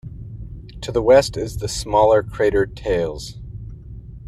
To the west is the smaller crater Thales.